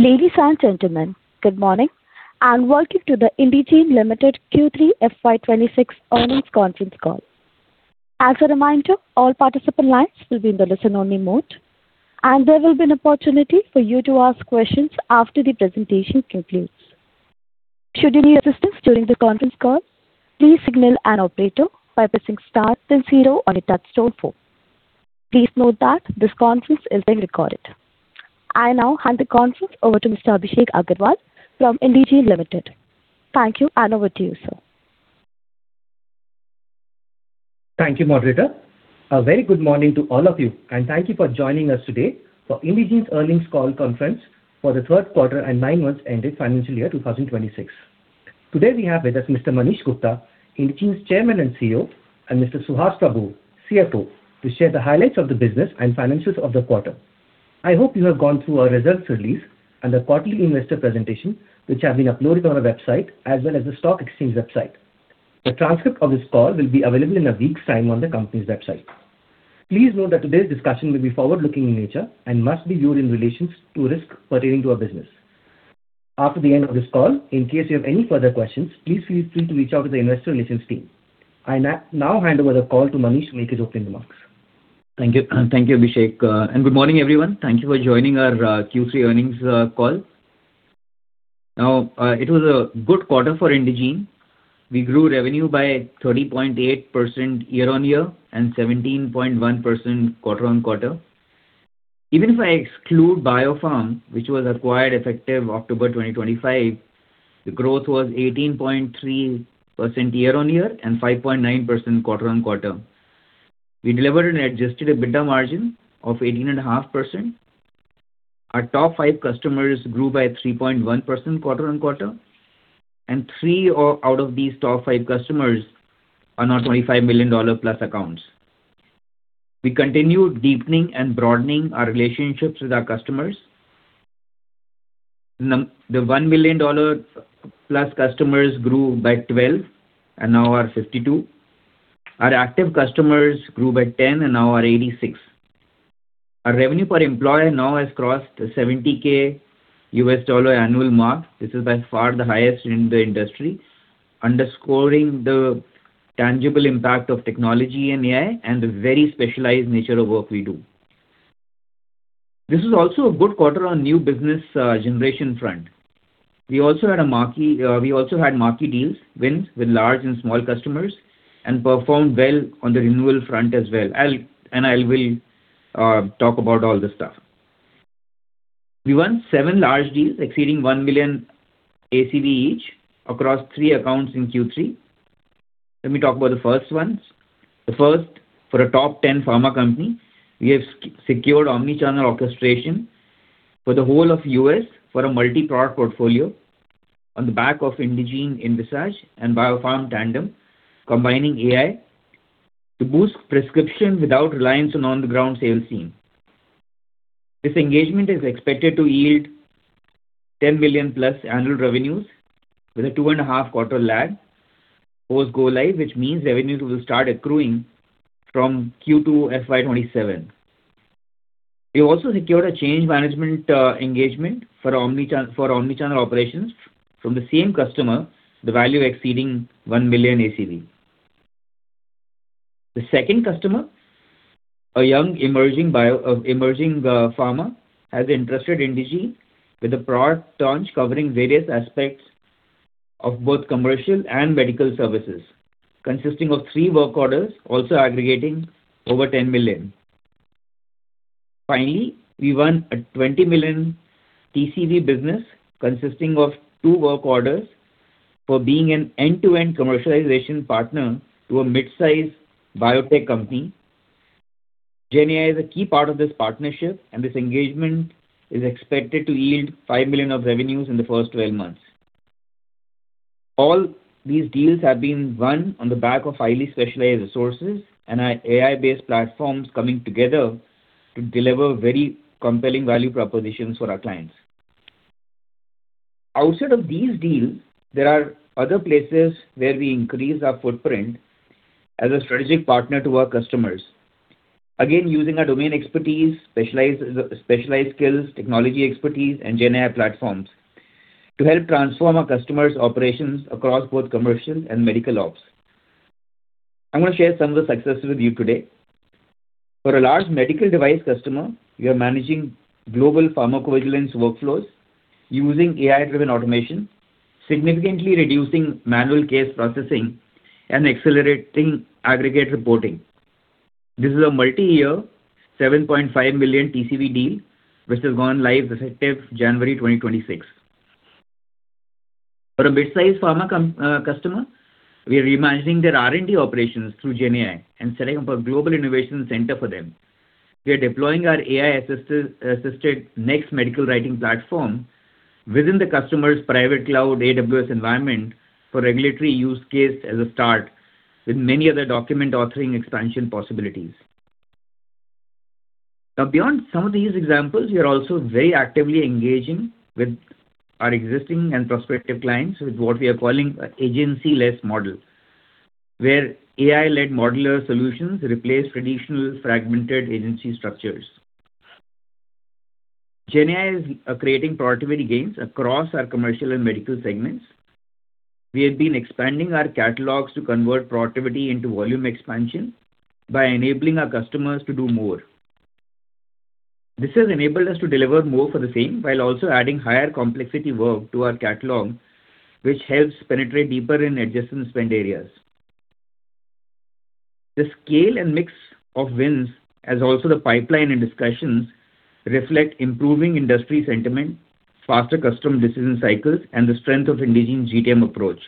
Ladies and gentlemen, good morning, and welcome to the Indegene Limited Q3 FY 2026 earnings conference call. As a reminder, all participant lines will be in the listen-only mode, and there will be an opportunity for you to ask questions after the presentation concludes. Should you need assistance during the conference call, please signal an operator by pressing star then zero on your touchtone phone. Please note that this conference is being recorded. I now hand the conference over to Mr. Abhishek Agarwal from Indegene Limited. Thank you, and over to you, sir. Thank you, moderator. A very good morning to all of you and thank you for joining us today for Indegene's earnings call conference for the third quarter and nine months ended financial year 2026. Today, we have with us Mr. Manish Gupta, Indegene's Chairman and CEO, and Mr. Suhas Prabhu, CFO, to share the highlights of the business and finances of the quarter. I hope you have gone through our results release and the quarterly investor presentation, which have been uploaded on our website as well as the stock exchange website. The transcript of this call will be available in a week's time on the company's website. Please note that today's discussion will be forward-looking in nature and must be viewed in relation to risks pertaining to our business. After the end of this call, in case you have any further questions, please feel free to reach out to the investor relations team. I now hand over the call to Manish to make his opening remarks. Thank you. Thank you, Abhishek, and good morning, everyone. Thank you for joining our Q3 earnings call. Now, it was a good quarter for Indegene. We grew revenue by 30.8% year-on-year and 17.1% quarter-on-quarter. Even if I exclude BioPharm, which was acquired effective October 2025, the growth was 18.3% year-on-year and 5.9% quarter-on-quarter. We delivered an adjusted EBITDA margin of 18.5%. Our top five customers grew by 3.1% quarter-on-quarter, and three out of these top five customers are now $25 million+ accounts. We continue deepening and broadening our relationships with our customers. The $1 million+ customers grew by 12 and now are 52. Our active customers grew by 10 and now are 86. Our revenue per employee now has crossed the $70,000 annual mark. This is by far the highest in the industry, underscoring the tangible impact of technology and AI and the very specialized nature of work we do. This is also a good quarter on new business generation front. We also had marquee deals, wins with large and small customers and performed well on the renewal front as well. I'll... And I will talk about all this stuff. We won seven large deals exceeding $1 million ACV each across three accounts in Q3. Let me talk about the first ones. The first, for a top 10 pharma company, we have secured omnichannel orchestration for the whole of U.S. for a multi-product portfolio on the back of Indegene Invisage and BioPharm Tandem, combining AI to boost prescription without reliance on on-the-ground sales team. This engagement is expected to yield $10 billion+ annual revenues with a two and a half quarter lag post go live, which means revenues will start accruing from Q2 FY 2027. We also secured a change management engagement for omnichannel operations from the same customer, the value exceeding $1 million ACV. The second customer, a young emerging bio emerging pharma, has entrusted Indegene with a broad launch covering various aspects of both commercial and medical services, consisting of three work orders, also aggregating over $10 million. Finally, we won a $20 million TCV business consisting of two work orders for being an end-to-end commercialization partner to a mid-sized biotech company. Gen AI is a key part of this partnership, and this engagement is expected to yield $5 million of revenues in the first 12 months. All these deals have been won on the back of highly specialized resources and our AI-based platforms coming together to deliver very compelling value propositions for our clients. Outside of these deals, there are other places where we increase our footprint as a strategic partner to our customers. Again, using our domain expertise, specialized specialized skills, technology expertise, and Gen AI platforms to help transform our customers' operations across both commercial and medical ops. I'm going to share some of the successes with you today. For a large medical device customer, we are managing global pharmacovigilance workflows using AI-driven automation, significantly reducing manual case processing and accelerating aggregate reporting. This is a multi-year, $7.5 million TCV deal, which has gone live effective January 2026. For a mid-sized pharma com customer, we are reimagining their R&D operations through Gen AI and setting up a global innovation center for them. We are deploying our AI-assisted next medical writing platform within the customer's private cloud AWS environment for regulatory use case as a start, with many other document authoring expansion possibilities. Now, beyond some of these examples, we are also very actively engaging with our existing and prospective clients with what we are calling an agency-less model, where AI-led modular solutions replace traditional fragmented agency structures. GenAI is creating productivity gains across our commercial and medical segments. We have been expanding our catalogs to convert productivity into volume expansion by enabling our customers to do more. This has enabled us to deliver more for the same, while also adding higher complexity work to our catalog, which helps penetrate deeper in adjacent spend areas. The scale and mix of wins, as also the pipeline and discussions, reflect improving industry sentiment, faster customer decision cycles, and the strength of Indegene's GTM approach,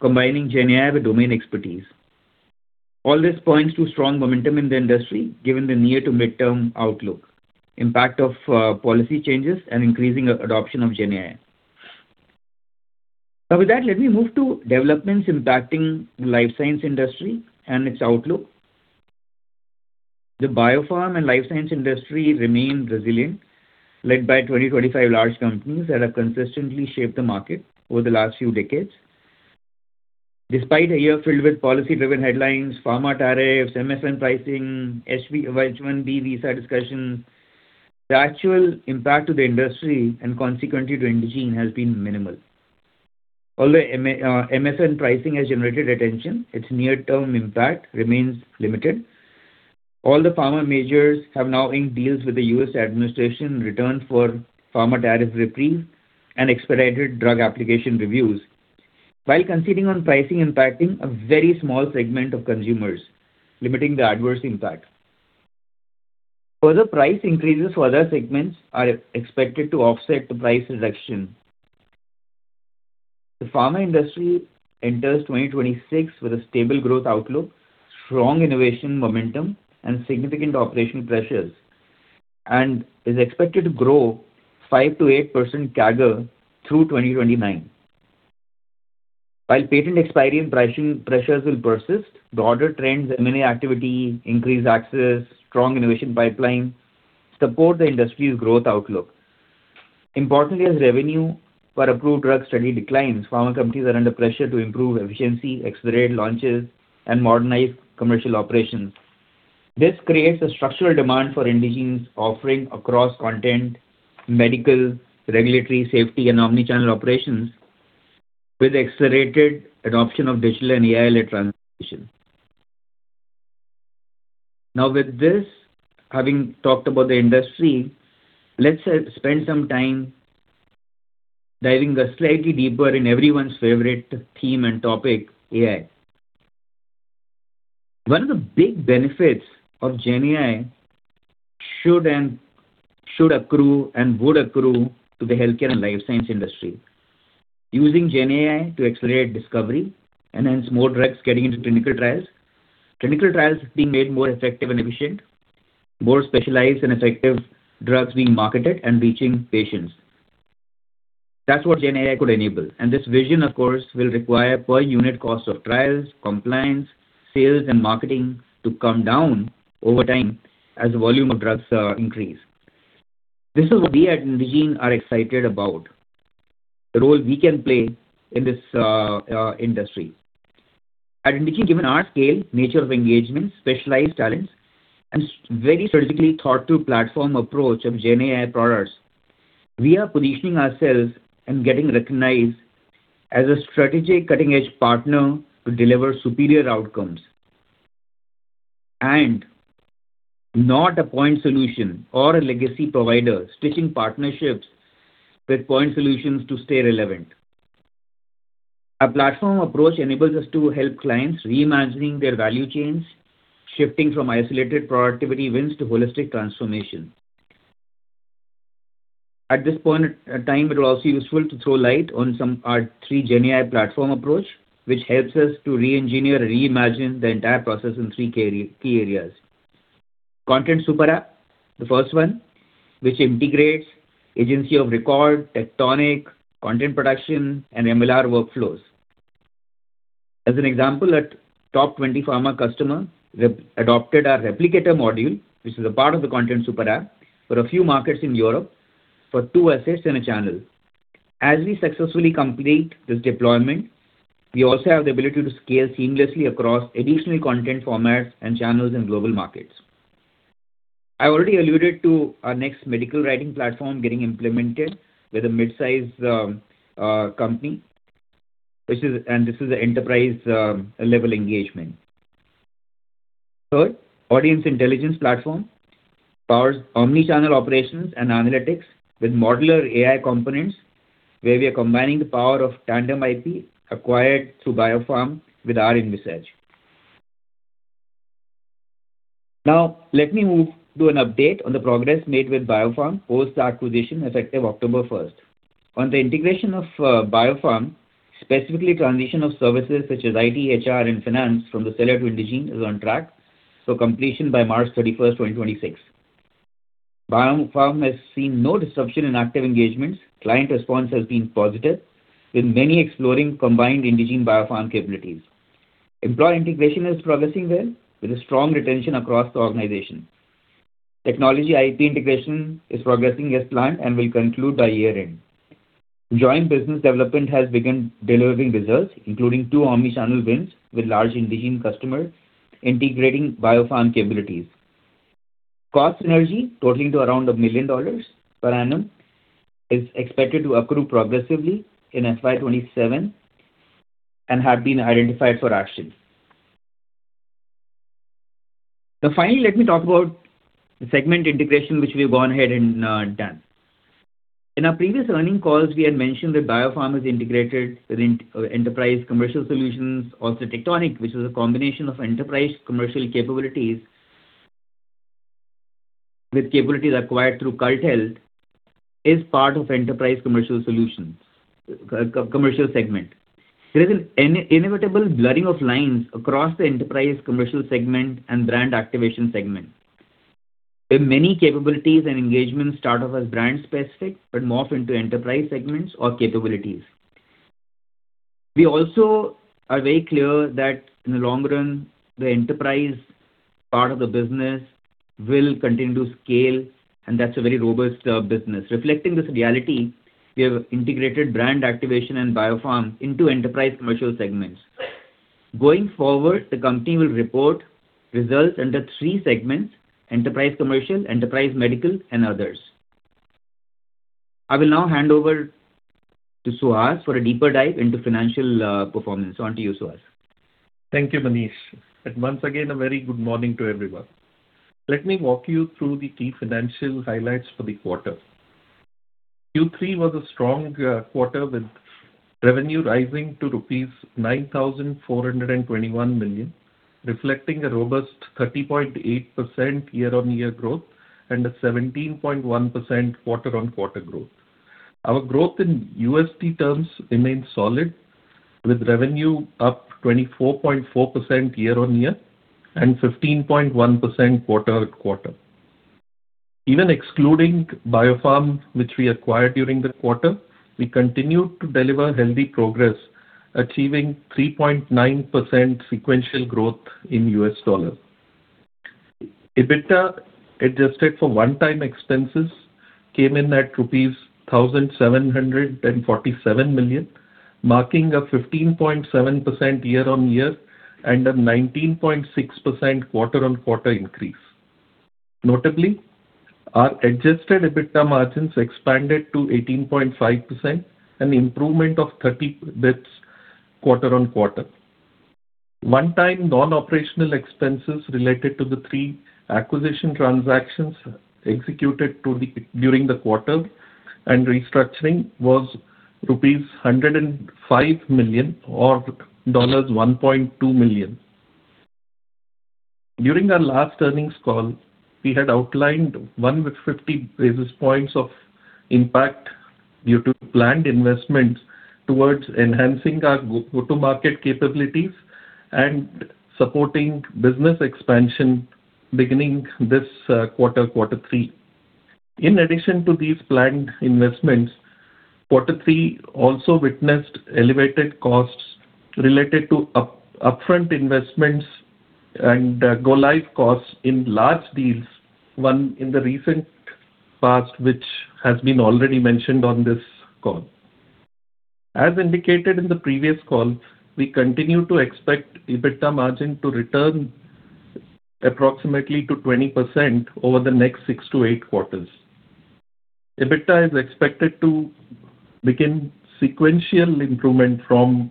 combining GenAI with domain expertise. All this points to strong momentum in the industry, given the near to mid-term outlook, impact of policy changes, and increasing adoption of GenAI. Now, with that, let me move to developments impacting the life science industry and its outlook. The BioPharm and Life Science industry remain resilient, led by 25 large companies that have consistently shaped the market over the last few decades. Despite a year filled with policy-driven headlines, pharma tariffs, MFN pricing, H-1B visa discussions, the actual impact to the industry and consequently to Indegene, has been minimal. Although MFN pricing has generated attention, its near-term impact remains limited. All the pharma majors have now inked deals with the U.S. administration in return for pharma tariff reprieve and expedited drug application reviews, while conceding on pricing impacting a very small segment of consumers, limiting the adverse impact. Further price increases for other segments are expected to offset the price reduction. The pharma industry enters 2026 with a stable growth outlook, strong innovation momentum, and significant operational pressures, and is expected to grow 5%-8% CAGR through 2029. While patent expiry and pricing pressures will persist, the order trends, M&A activity, increased access, strong innovation pipeline support the industry's growth outlook. Importantly, as revenue for approved drug study declines, pharma companies are under pressure to improve efficiency, accelerate launches, and modernize commercial operations. This creates a structural demand for Indegene's offering across content, medical, regulatory, safety, and omnichannel operations, with accelerated adoption of digital and AI-led transformation. Now, with this, having talked about the industry, let's spend some time diving a slightly deeper in everyone's favorite theme and topic, AI. One of the big benefits of GenAI should accrue and would accrue to the healthcare and life science industry. Using GenAI to accelerate discovery, and hence more drugs getting into clinical trials. Clinical trials being made more effective and efficient, more specialized and effective drugs being marketed and reaching patients. That's what GenAI could enable, and this vision, of course, will require per unit cost of trials, compliance, sales, and marketing to come down over time as the volume of drugs, increase. This is what we at Indegene are excited about, the role we can play in this, industry. At Indegene, given our scale, nature of engagement, specialized talents, and very strategically thought through platform approach of GenAI products, we are positioning ourselves and getting recognized as a strategic cutting-edge partner to deliver superior outcomes, and not a point solution or a legacy provider, stitching partnerships with point solutions to stay relevant. Our platform approach enables us to help clients reimagining their value chains, shifting from isolated productivity wins to holistic transformation. At this point in time, it is also useful to throw light on some of our three GenAI platform approach, which helps us to reengineer and reimagine the entire process in three key areas. Content Super App, the first one, which integrates agency of record, Tectonic, content production, and MLR workflows. As an example, a top 20 pharma customer recently adopted our Replicator module, which is a part of the Content Super App, for a few markets in Europe for two assets and a channel. As we successfully complete this deployment, we also have the ability to scale seamlessly across additional content formats and channels in global markets. I already alluded to our next medical writing platform getting implemented with a mid-size company, which is an enterprise level engagement. Third, Audience Intelligence Platform powers omnichannel operations and analytics with modular AI components, where we are combining the power of Tandem ID, acquired through BioPharm, with our organizer. Now, let me move to an update on the progress made with BioPharm post the acquisition, effective October 1st. On the integration of BioPharm, specifically transition of services such as IT, HR, and finance from the seller to Indegene, is on track for completion by March 31st, 2026. BioPharm has seen no disruption in active engagements. Client response has been positive, with many exploring combined Indegene BioPharm capabilities. Employee integration is progressing well, with a strong retention across the organization. Technology IT integration is progressing as planned and will conclude by year-end. Joint business development has begun delivering results, including two omnichannel wins with large Indegene customer, integrating BioPharm capabilities. Cost synergy, totaling to around $1 million per annum, is expected to accrue progressively in FY 2027 and have been identified for action. Now, finally, let me talk about the segment integration, which we've gone ahead and done. In our previous earnings calls, we had mentioned that BioPharm is integrated with Enterprise Commercial Solutions. Also, Tectonic, which is a combination of enterprise commercial capabilities, with capabilities acquired through CultHealth, is part of Enterprise Commercial Solutions, commercial segment. There is an inevitable blurring of lines across the enterprise commercial segment and Brand Activation segment. In many capabilities and engagements start off as brand-specific, but morph into enterprise segments or capabilities. We also are very clear that in the long run, the enterprise part of the business will continue to scale, and that's a very robust business. Reflecting this reality, we have integrated Brand Activation and BioPharm into enterprise commercial segments. Going forward, the company will report results under three segments: enterprise commercial, enterprise medical, and others. I will now hand over to Suhas for a deeper dive into financial performance. On to you, Suhas. Thank you, Manish. And once again, a very good morning to everyone. Let me walk you through the key financial highlights for the quarter. Q3 was a strong quarter, with revenue rising to rupees 9,421 million, reflecting a robust 30.8% year-on-year growth and a 17.1% quarter-on-quarter growth. Our growth in USD terms remains solid, with revenue up 24.4% year-on-year and 15.1% quarter-on-quarter. Even excluding BioPharm, which we acquired during the quarter, we continued to deliver healthy progress, achieving 3.9% sequential growth in U.S. dollars. EBITDA, adjusted for one-time expenses, came in at rupees 1,747 million, marking a 15.7% year-on-year and a 19.6% quarter-on-quarter increase. Notably, our adjusted EBITDA margins expanded to 18.5%, an improvement of 30 basis points quarter-on-quarter. One-time non-operational expenses related to the three acquisition transactions executed during the quarter and restructuring was rupees 105 million or $1.2 million. During our last earnings call, we had outlined 150 basis points of impact due to planned investments towards enhancing our go-to-market capabilities and supporting business expansion beginning this quarter, quarter three. In addition to these planned investments, quarter three also witnessed elevated costs related to upfront investments and go-live costs in large deals, one in the recent past, which has been already mentioned on this call. As indicated in the previous call, we continue to expect EBITDA margin to return approximately to 20% over the next six to eight quarters. EBITDA is expected to begin sequential improvement from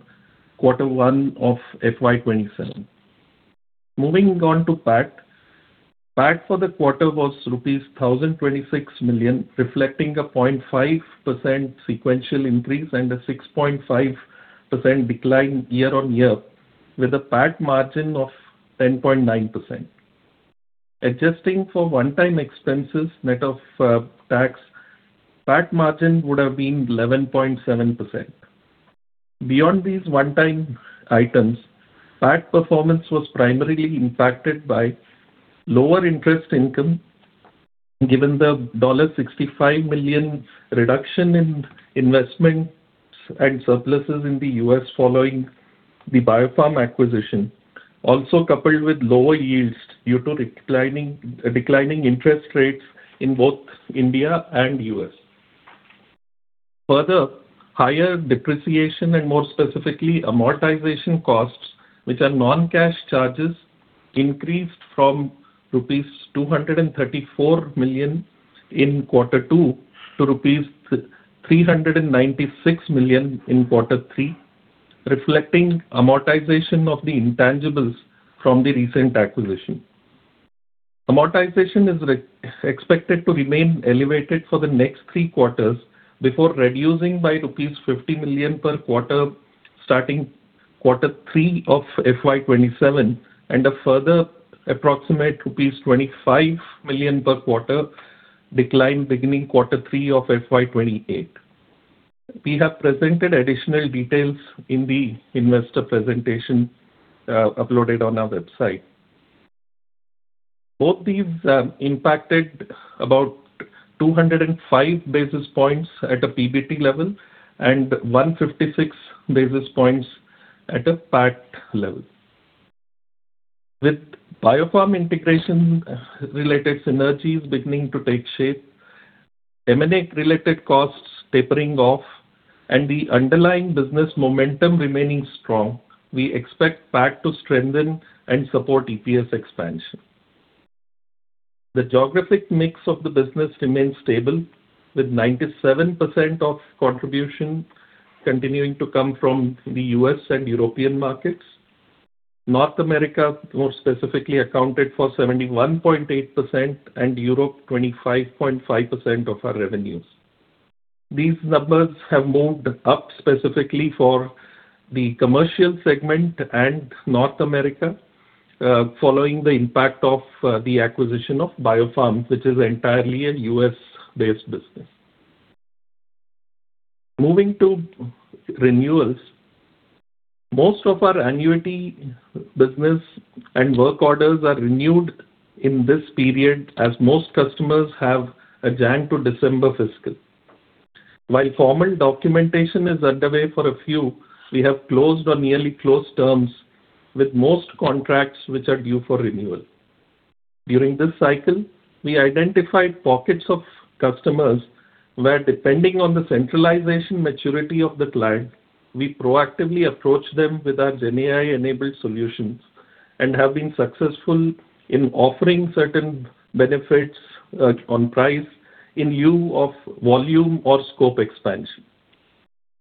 quarter one of FY 2027. Moving on to PAT. PAT for the quarter was rupees 1,026 million, reflecting a 0.5% sequential increase and a 6.5% decline year-on-year, with a PAT margin of 10.9%. Adjusting for one-time expenses, net of tax, PAT margin would have been 11.7%. Beyond these one-time items, PAT performance was primarily impacted by lower interest income, given the $65 million reduction in investments and surpluses in the U.S. following the BioPharm acquisition, also coupled with lower yields due to declining interest rates in both India and U.S. Further, higher depreciation and more specifically, amortization costs, which are non-cash charges, increased from rupees 234 million in quarter two to rupees 396 million in quarter three, reflecting amortization of the intangibles from the recent acquisition. Amortization is expected to remain elevated for the next three quarters before reducing by rupees 50 million per quarter, starting quarter three of FY 2027, and a further approximate rupees 25 million per quarter decline beginning quarter three of FY 2028. We have presented additional details in the investor presentation, uploaded on our website. Both these, impacted 205 basis points at a PBT level and 156 basis points at a PAT level. With BioPharm integration related synergies beginning to take shape, M&A related costs tapering off, and the underlying business momentum remaining strong, we expect PAT to strengthen and support EPS expansion. The geographic mix of the business remains stable, with 97% of contribution continuing to come from the U.S. and European markets. North America, more specifically, accounted for 71.8% and Europe 25.5% of our revenues. These numbers have moved up specifically for the commercial segment and North America, following the impact of, the acquisition of BioPharm, which is entirely a U.S.-based business. Moving to renewals, most of our annuity business and work orders are renewed in this period, as most customers have a January to December fiscal. While formal documentation is underway for a few, we have closed or nearly closed terms with most contracts which are due for renewal. During this cycle, we identified pockets of customers, where depending on the centralization maturity of the client, we proactively approach them with our GenAI-enabled solutions and have been successful in offering certain benefits, on price in lieu of volume or scope expansion.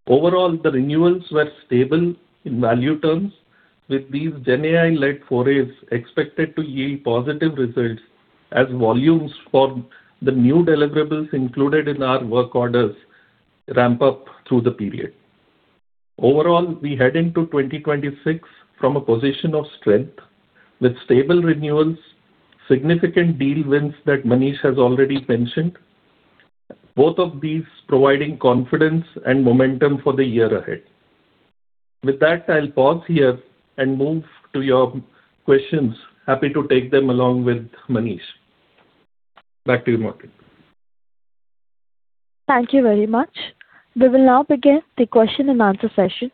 Overall, the renewals were stable in value terms, with these GenAI-led forays expected to yield positive results as volumes for the new deliverables included in our work orders ramp up through the period. Overall, we head into 2026 from a position of strength, with stable renewals, significant deal wins that Manish has already mentioned, both of these providing confidence and momentum for the year ahead. With that, I'll pause here and move to your questions. Happy to take them along with Manish. Back to you, Martin. Thank you very much. We will now begin the question-and-answer session.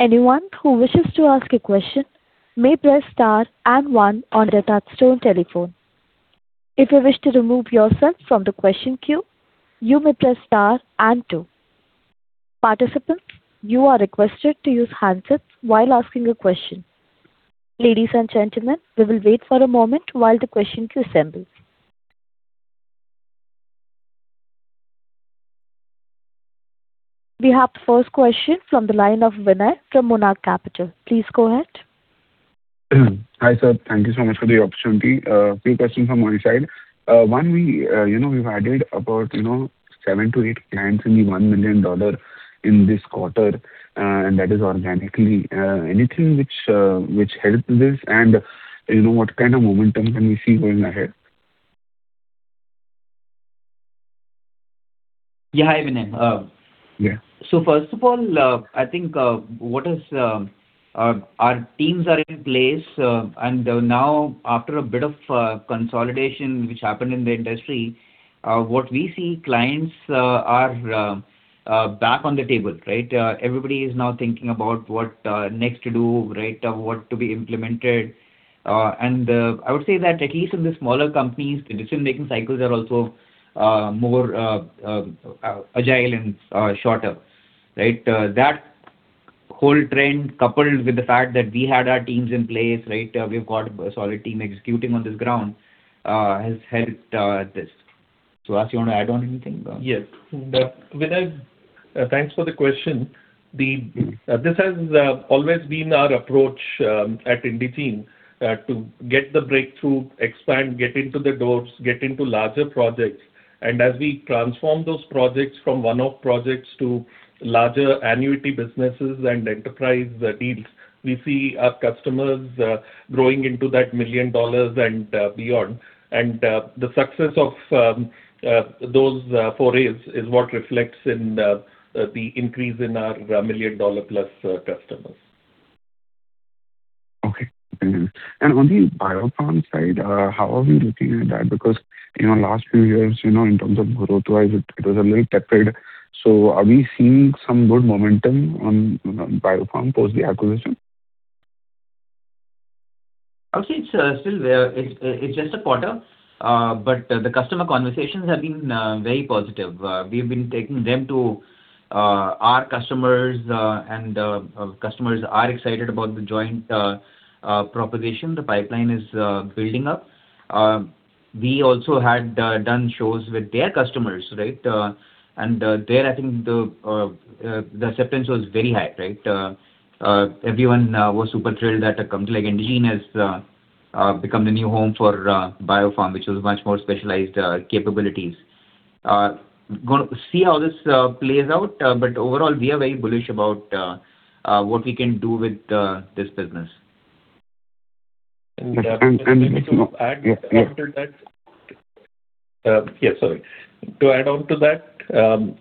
Anyone who wishes to ask a question may press star and one on their touchtone telephone. If you wish to remove yourself from the question queue, you may press star and two. Participants, you are requested to use handsets while asking a question. Ladies and gentlemen, we will wait for a moment while the question queue assembles. We have the first question from the line of Vinay from Monarch Capital. Please go ahead. Hi, sir. Thank you so much for the opportunity. Few questions from our side. One, we, you know, we've added about, you know, seven to eight clients in the $1 million in this quarter, and that is organically. Anything which, which helped this and, you know, what kind of momentum can we see going ahead? Yeah, hi, Vinay. Yeah. So first of all, I think our teams are in place, and now after a bit of consolidation which happened in the industry, what we see, clients are back on the table, right? Everybody is now thinking about what next to do, right, or what to be implemented. I would say that at least in the smaller companies, decision-making cycles are also more agile and shorter, right? That whole trend, coupled with the fact that we had our teams in place, right, we've got a solid team executing on this ground, has helped this. Suhas, you want to add on anything? Yes. Vinay, thanks for the question. This has always been our approach at Indegene to get the breakthrough, expand, get into the doors, get into larger projects. And as we transform those projects from one-off projects to larger annuity businesses and enterprise deals, we see our customers growing into that $1 million and beyond. And the success of those forays is what reflects in the increase in our $1 million+ customers. Okay. And on the BioPharm side, how are we looking at that? Because, you know, last few years, you know, in terms of growth-wise, it was a little tepid. So are we seeing some good momentum on BioPharm post the acquisition? I would say it's still there. It's just a quarter. But the customer conversations have been very positive. We've been taking them to our customers, and customers are excited about the joint proposition. The pipeline is building up. We also had done shows with their customers, right? And there, I think the acceptance was very high, right? Everyone was super thrilled that a company like Indegene has become the new home for BioPharm, which was much more specialized capabilities. Gonna see how this plays out, but overall, we are very bullish about what we can do with this business. And to add- Yeah, yeah. After that... yeah, sorry. To add on to that,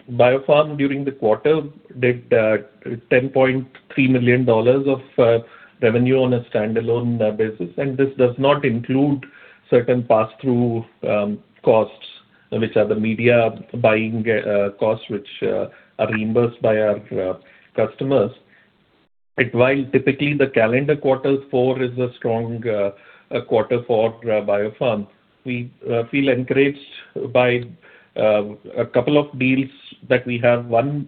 BioPharm, during the quarter, did $10.3 million of revenue on a standalone basis, and this does not include certain passthrough costs... which are the media buying costs which are reimbursed by our customers. While typically the calendar quarter four is a strong quarter for BioPharm. We feel encouraged by a couple of deals that we have. One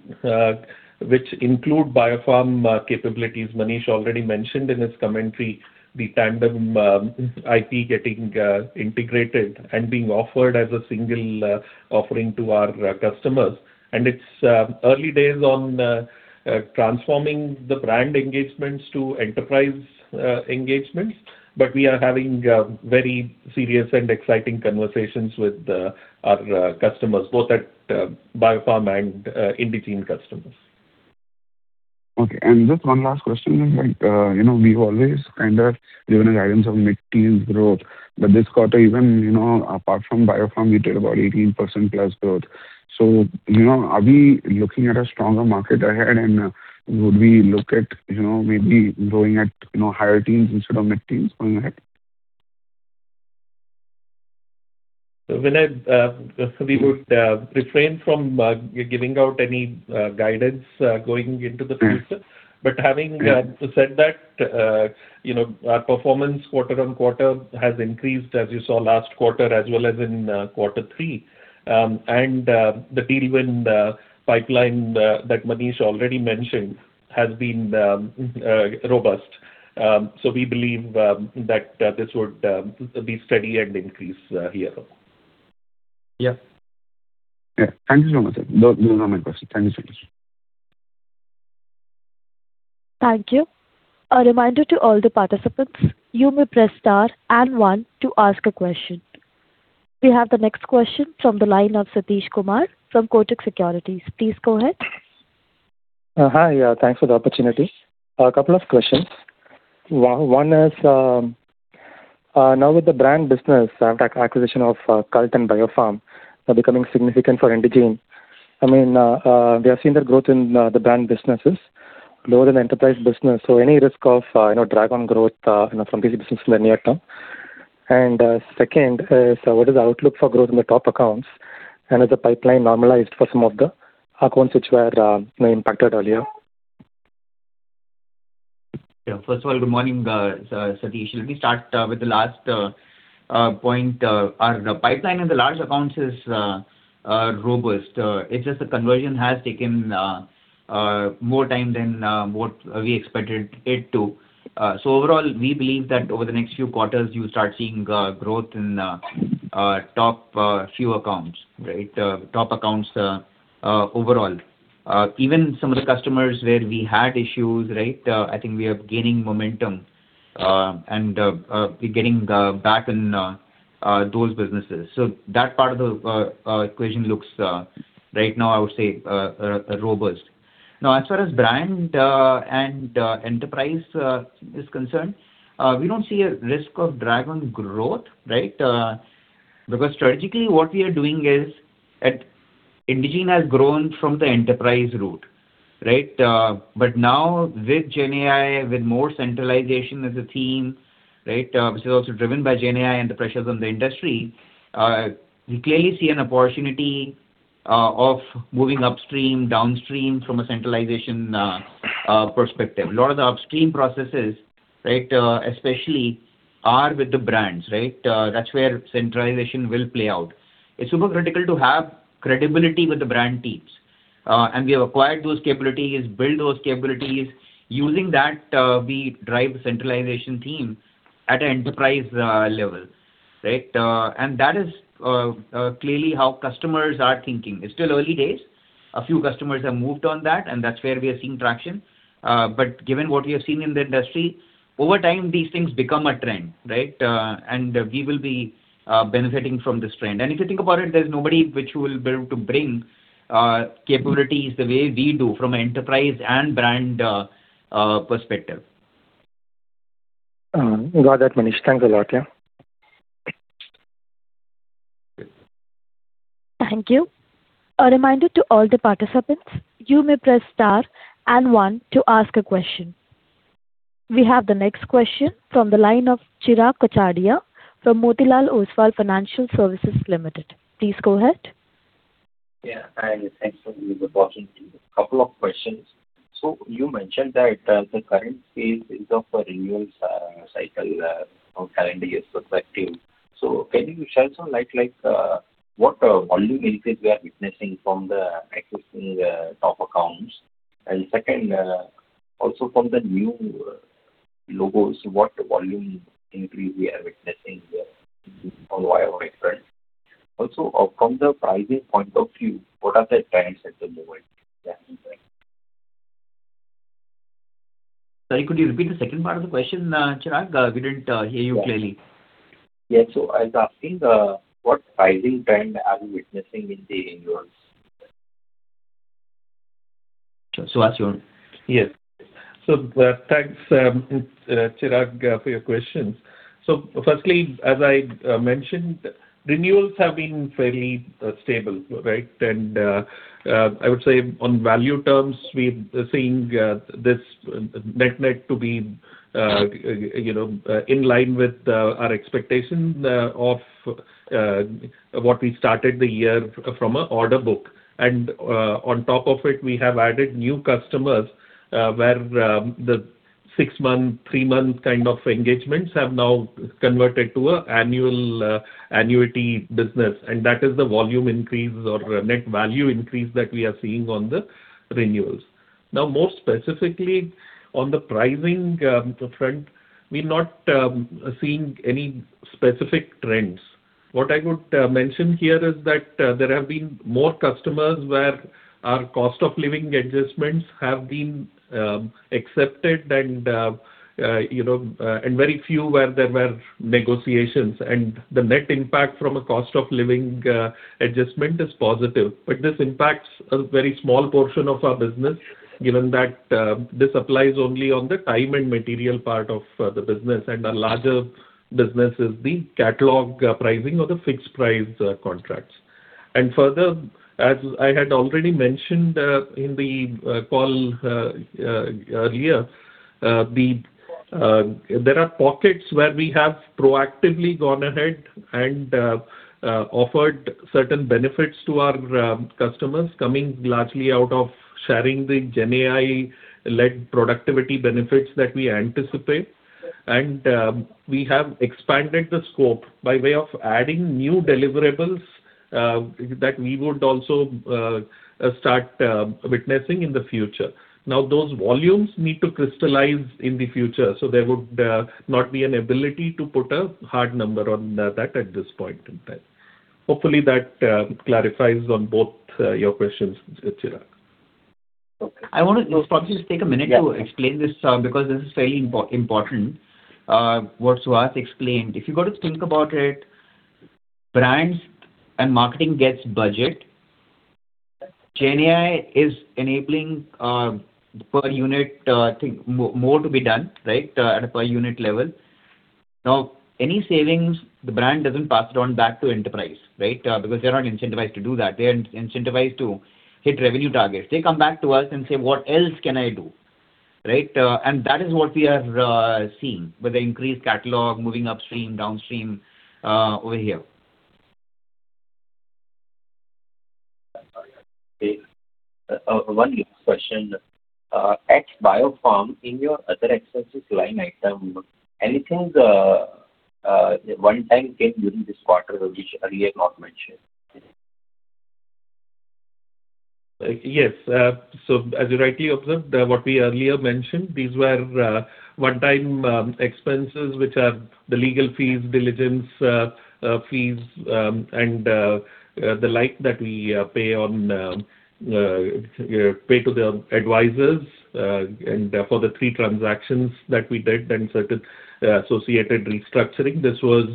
which include BioPharm capabilities. Manish already mentioned in his commentary the Tandem IP getting integrated and being offered as a single offering to our customers. It's early days on transforming the brand engagements to enterprise engagements, but we are having very serious and exciting conversations with our customers, both at BioPharm and Indegene customers. Okay. Just one last question. You know, we've always kind of given a guidance of mid-teens growth, but this quarter, even, you know, apart from BioPharm, we did about 18%+ growth. So, you know, are we looking at a stronger market ahead, and would we look at, you know, maybe growing at, you know, higher teens instead of mid-teens going ahead? So, Vinay, we would refrain from giving out any guidance going into the future. But having said that, you know, our performance quarter-over-quarter has increased, as you saw last quarter, as well as in quarter three. And the deal win pipeline that Manish already mentioned has been robust. So we believe that this would be steady and increase here. Yeah. Yeah. Thank you so much, sir. Those are my questions. Thank you so much. Thank you. A reminder to all the participants, you may press star and one to ask a question. We have the next question from the line of Satish Kumar from Kotak Securities. Please go ahead. Hi, thanks for the opportunity. A couple of questions. One is now with the brand business acquisition of Cult and BioPharm are becoming significant for Indegene. I mean, we have seen the growth in the brand businesses lower than enterprise business, so any risk of, you know, drag on growth, you know, from these business in the near term? And second is: What is the outlook for growth in the top accounts, and is the pipeline normalized for some of the accounts which were, you know, impacted earlier? Yeah. First of all, good morning, Satish. Let me start with the last point. Our pipeline in the large accounts is robust. It's just the conversion has taken more time than what we expected it to. So overall, we believe that over the next few quarters, you'll start seeing growth in our top few accounts, right? Top accounts overall. Even some of the customers where we had issues, right, I think we are gaining momentum, and we're getting back in those businesses. So that part of the equation looks right now, I would say, robust. Now, as far as brand and enterprise is concerned, we don't see a risk of drag on growth, right? Because strategically, what we are doing is Indegene has grown from the enterprise route, right? But now with GenAI, with more centralization as a theme, right, which is also driven by GenAI and the pressures on the industry, we clearly see an opportunity of moving upstream, downstream from a centralization perspective. A lot of the upstream processes, right, especially are with the brands, right? That's where centralization will play out. It's super critical to have credibility with the brand teams. And we have acquired those capabilities, build those capabilities. Using that, we drive centralization theme at an enterprise level. Right? And that is clearly how customers are thinking. It's still early days. A few customers have moved on that, and that's where we are seeing traction. Given what we have seen in the industry, over time, these things become a trend, right? We will be benefiting from this trend. If you think about it, there's nobody which will be able to bring capabilities the way we do from an enterprise and brand perspective. Got that, Manish. Thanks a lot. Yeah. Thank you. A reminder to all the participants, you may press star and one to ask a question. We have the next question from the line of Chirag Kachhadiya from Motilal Oswal Financial Services Limited. Please go ahead. Yeah. Hi, thanks for the opportunity. A couple of questions. So you mentioned that the current phase is of a renewal cycle from calendar year perspective. So can you shed some light, like, what volume increase we are witnessing from the existing top accounts? And second, also from the new logos, what volume increase we are witnessing there or where we expect? Also, from the pricing point of view, what are the trends at the moment? Yeah. Sorry, could you repeat the second part of the question, Chirag? We didn't hear you clearly. Yeah. So I was asking, what pricing trend are we witnessing in the renewals? Sure. So Suhas you... Yes. So, thanks, Chirag, for your questions. So firstly, as I mentioned, renewals have been fairly stable, right? And I would say on value terms, we're seeing this net-net to be, you know, in line with our expectation of what we started the year from a order book. And on top of it, we have added new customers, where the six-month, three-month kind of engagements have now converted to a annual annuity business, and that is the volume increase or net value increase that we are seeing on the renewals. Now, more specifically on the pricing front, we're not seeing any specific trends. What I would mention here is that there have been more customers where our cost of living adjustments have been accepted and you know and very few where there were negotiations. And the net impact from a cost of living adjustment is positive. But this impacts a very small portion of our business, given that this applies only on the time and material part of the business, and the larger business is the catalog pricing or the fixed price contracts. And further, as I had already mentioned in the call earlier, there are pockets where we have proactively gone ahead and offered certain benefits to our customers, coming largely out of sharing the GenAI-led productivity benefits that we anticipate. We have expanded the scope by way of adding new deliverables that we would also start witnessing in the future. Now, those volumes need to crystallize in the future, so there would not be an ability to put a hard number on that at this point in time. Hopefully, that clarifies on both your questions, Chirag. I want to probably just take a minute- Yeah. To explain this, because this is very important, what Suhas explained. If you go to think about it, brands and marketing gets budget. GenAI is enabling, per unit, I think, more to be done, right, at a per unit level. Now, any savings, the brand doesn't pass it on back to enterprise, right? Because they're not incentivized to do that. They are incentivized to hit revenue targets. They come back to us and say: What else can I do, right? And that is what we have seen with the increased catalog moving upstream, downstream, over here. One last question. At BioPharm, in your other expenses line item, anything, one-time gain during this quarter, which earlier not mentioned? Yes. So as you rightly observed, what we earlier mentioned, these were one-time expenses, which are the legal fees, diligence fees, and the like that we pay to the advisors, and for the three transactions that we did, and certain associated restructuring. This was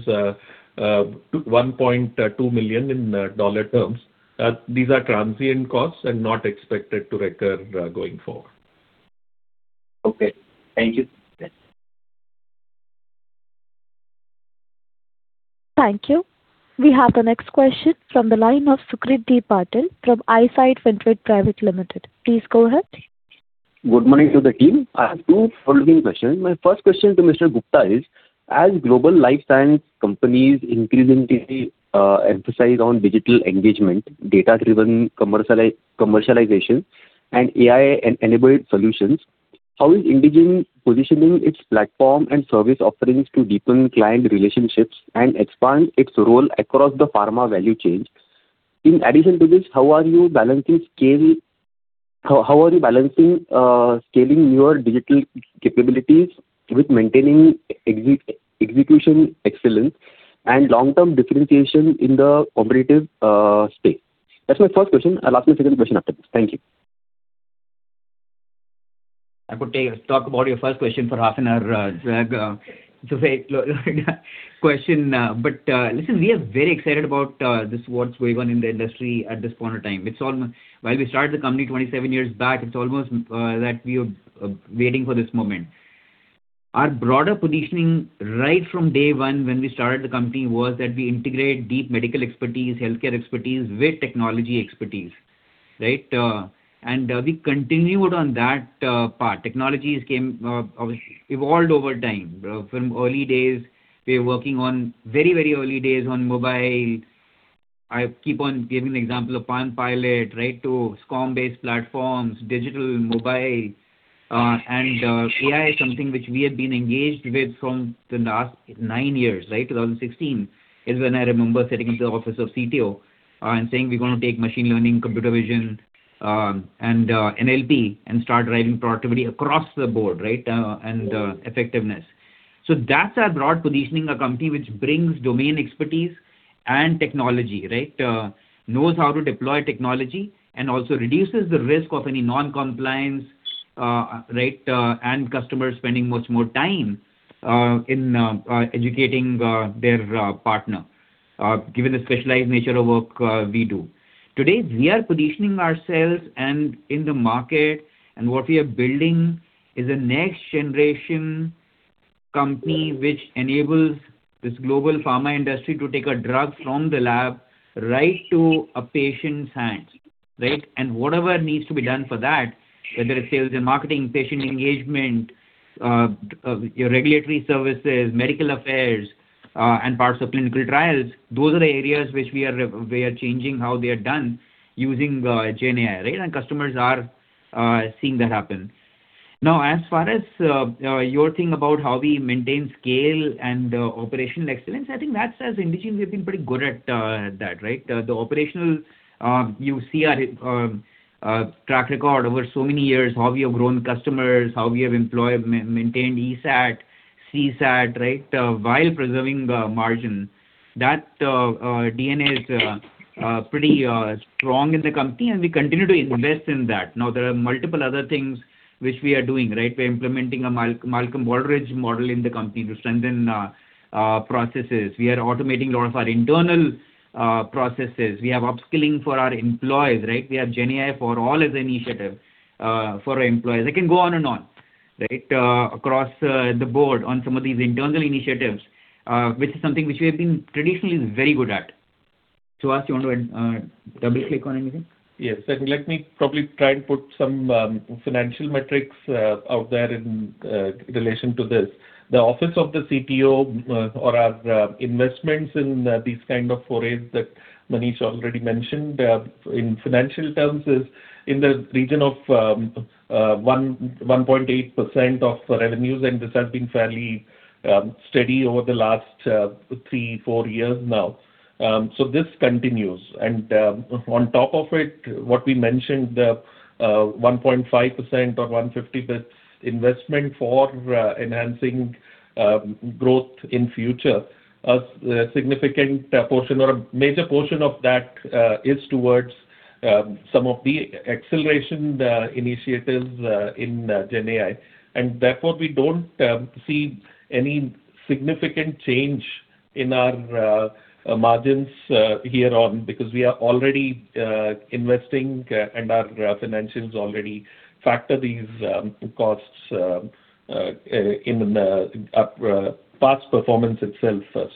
$1.2 million in dollar terms. These are transient costs and not expected to recur going forward. Okay. Thank you. Thank you. We have the next question from the line of Sucrit Patil from Eyesight Fintrade Private Limited. Please go ahead. Good morning to the team. I have two following questions. My first question to Mr. Gupta is: As global life science companies increasingly emphasize on digital engagement, data-driven commercialization, and AI-enabled solutions, how is Indegene positioning its platform and service offerings to deepen client relationships and expand its role across the pharma value chain? In addition to this, how are you balancing scaling your digital capabilities with maintaining execution excellence and long-term differentiation in the competitive space? That's my first question. I'll ask my second question after this. Thank you. I could talk about your first question for half an hour. But listen, we are very excited about this, what's going on in the industry at this point of time. It's all... While we started the company 27 years back, it's almost that we are waiting for this moment. Our broader positioning right from day one when we started the company was that we integrate deep medical expertise, healthcare expertise with technology expertise, right? And we continued on that path. Technologies came, obviously evolved over time. From early days, we were working on very, very early days on mobile. I keep on giving the example of Palm Pilot, right, to SCORM-based platforms, digital mobile. And AI is something which we have been engaged with from the last 9 years, right? 2016 is when I remember setting up the office of CTO, and saying we're going to take machine learning, computer vision, and NLP, and start driving productivity across the board, right, and effectiveness. So that's our broad positioning, a company which brings domain expertise and technology, right? Knows how to deploy technology and also reduces the risk of any non-compliance, right, and customers spending much more time in educating their partners, given the specialized nature of work we do. Today, we are positioning ourselves and in the market, and what we are building is a next-generation company which enables this global pharma industry to take a drug from the lab right to a patient's hands, right? Whatever needs to be done for that, whether it's sales and marketing, patient engagement, your regulatory services, medical affairs, and parts of clinical trials, those are the areas which we are changing how they are done using GenAI, right? Customers are seeing that happen. Now, as far as your thing about how we maintain scale and operational excellence, I think that as Indegene, we've been pretty good at that, right? The operational, you see our track record over so many years, how we have grown customers, how we have employed, maintained ESAT, CSAT, right? While preserving the margin. That DNA is pretty strong in the company, and we continue to invest in that. Now, there are multiple other things which we are doing, right? We're implementing a Malcolm Baldrige Model in the company to strengthen processes. We are automating a lot of our internal processes. We have upskilling for our employees, right? We have GenAI for All as initiative for our employees. I can go on and on, right? Across the board on some of these internal initiatives, which is something which we have been traditionally very good at. Suhas, you want to double-click on anything? Yes. Let me probably try and put some financial metrics out there in relation to this. The Office of the CTO or our investments in these kind of forays that Manish already mentioned, in financial terms, is in the region of 1.8% of revenues, and this has been fairly steady over the last three, four years now. So this continues. And on top of it, what we mentioned, 1.5% or 150 basis points investment for enhancing growth in future. A significant portion or a major portion of that is towards some of the acceleration initiatives in GenAI. Therefore, we don't see any significant change in our margins here on, because we are already investing, and our financials already factor these costs in past performance itself, so...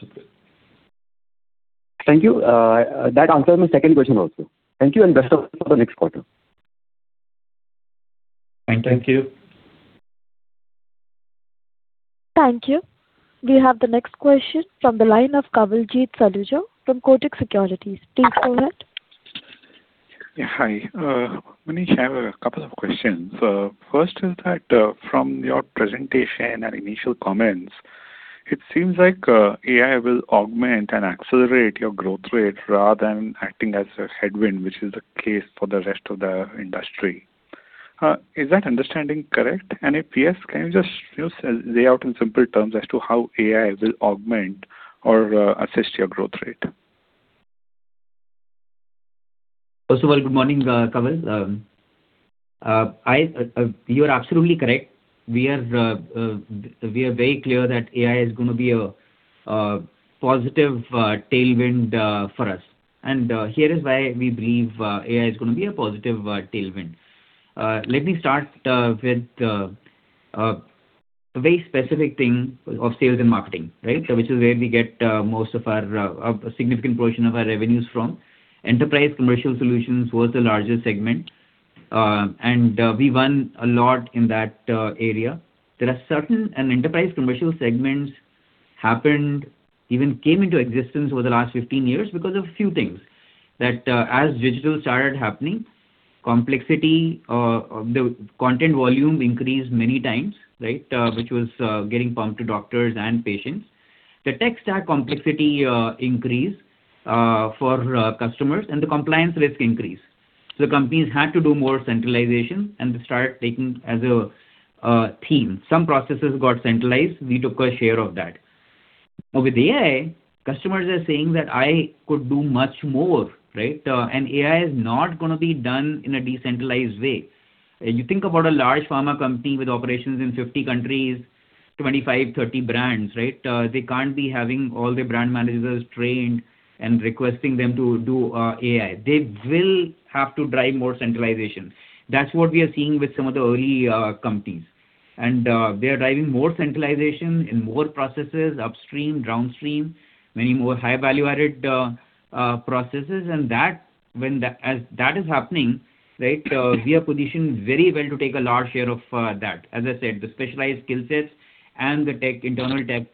Thank you. That answers my second question also. Thank you, and best of luck for the next quarter. Thank you. Thank you. We have the next question from the line of Kawaljeet Saluja from Kotak Securities. Please go ahead. Yeah, hi. Manish, I have a couple of questions. First is that, from your presentation and initial comments, it seems like, AI will augment and accelerate your growth rate rather than acting as a headwind, which is the case for the rest of the industry. Is that understanding, correct? And if yes, can you just, you know, lay out in simple terms as to how AI will augment or, assist your growth rate? First of all, good morning, Kawal. You are absolutely correct. We are very clear that AI is gonna be a positive tailwind for us. And here is why we believe AI is gonna be a positive tailwind. Let me start with a very specific thing of sales and marketing, right? Which is where we get most of our a significant portion of our revenues from. Enterprise Commercial Solutions was the largest segment, and we won a lot in that area. There are certain... And enterprise commercial segments happened, even came into existence over the last 15 years because of a few things. That, as digital started happening, complexity, the content volume increased many times, right? Which was getting pumped to doctors and patients. The tech stack complexity increased for customers, and the compliance risk increased. So companies had to do more centralization, and they started taking as a team. Some processes got centralized. We took our share of that. Now, with AI, customers are saying that I could do much more, right? And AI is not gonna be done in a decentralized way. You think about a large pharma company with operations in 50 countries, 25, 30 brands, right? They can't be having all their brand managers trained and requesting them to do AI. They will have to drive more centralization. That's what we are seeing with some of the early companies. And they are driving more centralization in more processes, upstream, downstream, many more high-value-added processes. And that, when that as that is happening, right, we are positioned very well to take a large share of that. As I said, the specialized skill sets and the tech internal tech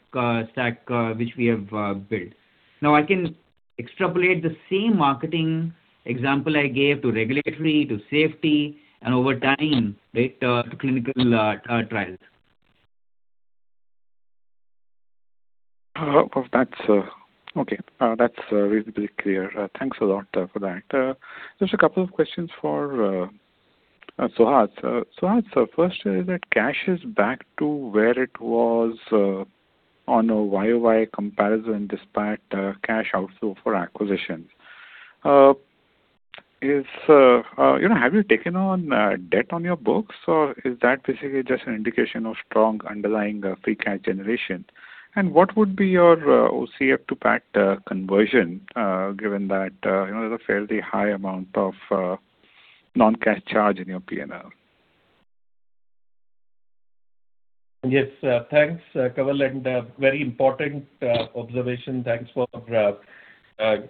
stack which we have built. Now, I can extrapolate the same marketing example I gave to regulatory, to safety, and over time, right, to clinical trials. Well, that's... Okay, that's reasonably clear. Thanks a lot for that. Just a couple of questions for Suhas. Suhas, first is that cash is back to where it was on a YoY comparison, despite cash outflow for acquisitions. Is, you know, have you taken on debt on your books, or is that basically just an indication of strong underlying free cash generation? And what would be your OCF to PAT conversion, given that, you know, there's a fairly high amount of non-cash charge in your PNL? Yes. Thanks, Kawal, and very important observation. Thanks for,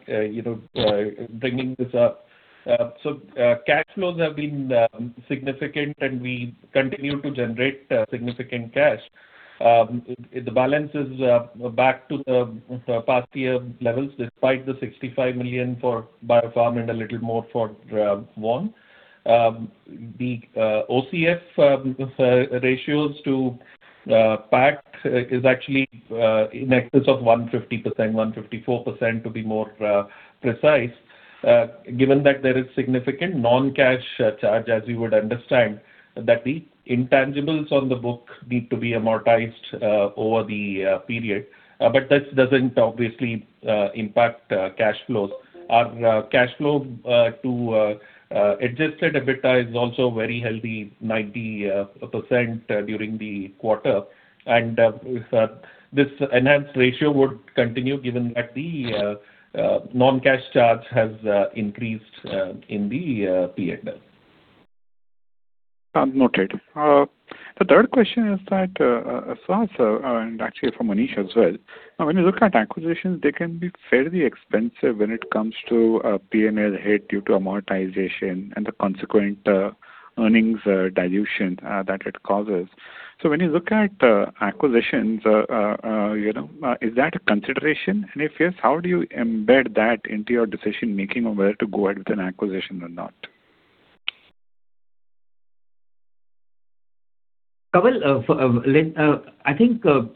you know, bringing this up. So, cash flows have been significant, and we continue to generate significant cash. The balance is back to the past year levels, despite the 65 million for BioPharm and a little more for one. The OCF ratios to PAT is actually in excess of 150%, 154%, to be more precise. Given that there is significant non-cash charge, as you would understand, that the intangibles on the book need to be amortized over the period. But that doesn't obviously impact cash flows. Our cash flow to adjusted EBITDA is also very healthy, 90%, during the quarter. This enhanced ratio would continue, given that the non-cash charge has increased in the P&L. Noted. The third question is that, Suhas, and actually from Anish as well. Now, when you look at acquisitions, they can be fairly expensive when it comes to, P&L hit due to amortization and the consequent, earnings, dilution, that it causes. So when you look at, acquisitions, you know, is that a consideration? And if yes, how do you embed that into your decision-making on whether to go ahead with an acquisition or not? Kawal -- I think when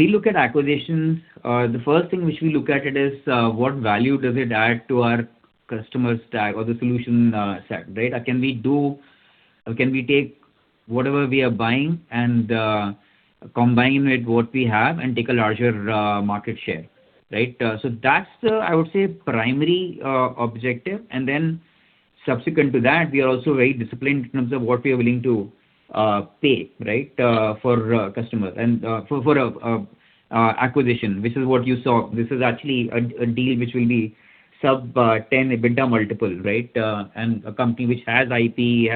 we look at acquisitions, the first thing which we look at it is what value does it add to our customer stack or the solution set, right? Can we -- or can we take whatever we are buying and combine with what we have and take a larger market share, right? So that's the, I would say, primary objective. And then subsequent to that, we are also very disciplined in terms of what we are willing to pay, right, for customer and for acquisition, which is what you saw. This is actually a deal which will be sub 10 EBITDA multiple, right? And a company which has IP,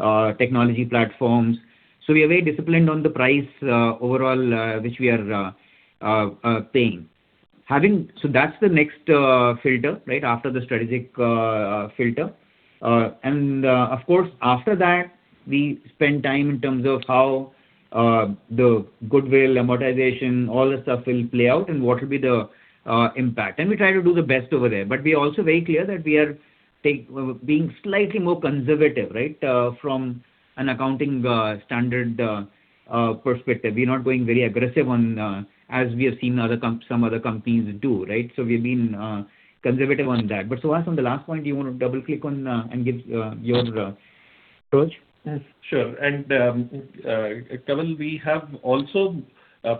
has technology platforms. So we are very disciplined on the price, overall, which we are paying. So that's the next filter, right? After the strategic filter. And, of course, after that, we spend time in terms of how the goodwill amortization, all that stuff will play out, and what will be the impact. And we try to do the best over there. But we are also very clear that we are being slightly more conservative, right? From an accounting standard perspective. We're not going very aggressive on, as we have seen some other companies do, right? So we've been conservative on that. But Suhas, on the last point, do you want to double click on and give your approach? Sure. And, Kawal, we have also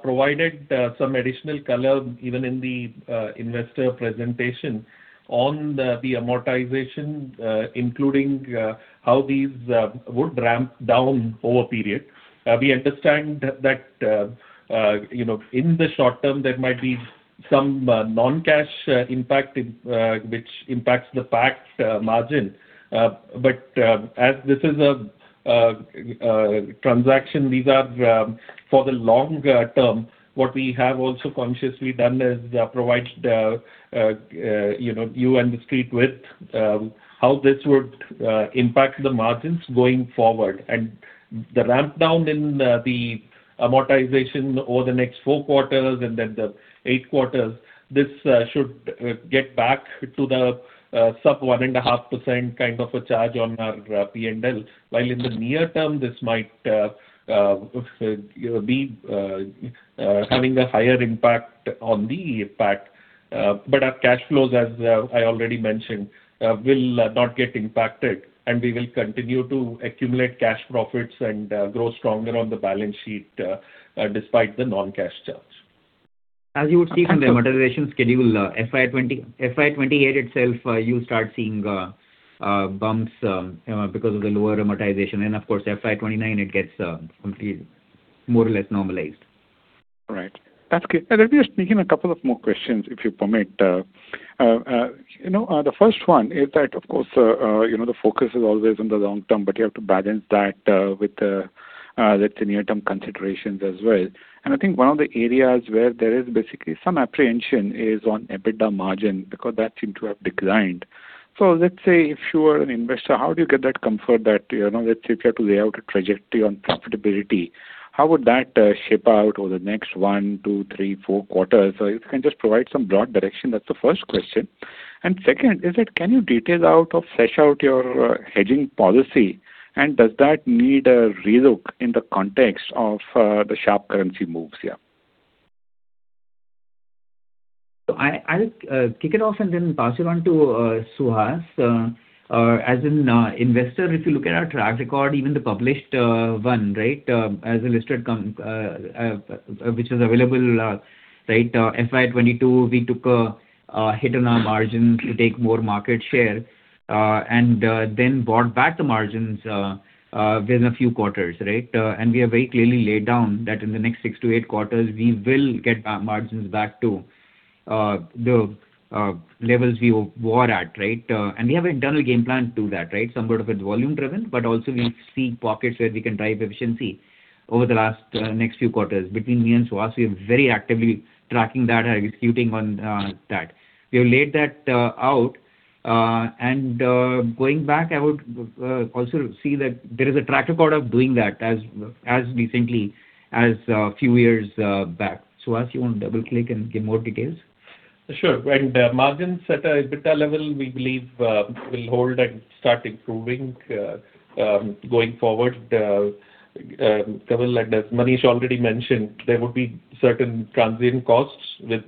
provided some additional color, even in the investor presentation on the amortization, including how these would ramp down over a period. We understand that, you know, in the short term, there might be some non-cash impact, which impacts the PAT margin. But, as this is a transaction, these are for the long term. What we have also consciously done is provide, you know, you and the street with how this would impact the margins going forward. And the ramp down in the amortization over the next four quarters and then the eight quarters, this should get back to the sub-1.5% kind of a charge on our PNL. While in the near term, this might be having a higher impact on the PAT. But our cash flows, as I already mentioned, will not get impacted, and we will continue to accumulate cash profits and grow stronger on the balance sheet, despite the non-cash charge. As you would see from the amortization schedule, FY 2028 itself, you start seeing bumps because of the lower amortization. And of course, FY 2029, it gets complete, more or less normalized. Right. That's great. And let me just sneak in a couple of more questions, if you permit. You know, the first one is that, of course, you know, the focus is always on the long term, but you have to balance that, with, the near-term considerations as well. And I think one of the areas where there is basically some apprehension is on EBITDA margin, because that seemed to have declined. So let's say, if you are an investor, how do you get that comfort that, you know, if you have to lay out a trajectory on profitability, how would that, shape out over the next one, two, three, four quarters? So if you can just provide some broad direction, that's the first question. And second, is that—can you detail out or flesh out your hedging policy, and does that need a re-look in the context of the sharp currency moves, yeah? So I'll kick it off and then pass it on to Suhas. As an investor, if you look at our track record, even the published one, right, as a listed company, which is available, right, FY 2022, we took a hit on our margin to take more market share... and then brought back the margins within a few quarters, right? And we have very clearly laid down that in the next six to eight quarters, we will get our margins back to the levels we were at, right? And we have an internal game plan to that, right? Some part of it is volume driven, but also we see pockets where we can drive efficiency over the last next few quarters. Between me and Suhas, we are very actively tracking that and executing on that. We have laid that out, and going back, I would also see that there is a track record of doing that as recently as few years back. Suhas, you want to double-click and give more details? Sure. And margins at an EBITDA level, we believe, will hold and start improving going forward. Kamal, and as Manish already mentioned, there would be certain transient costs with,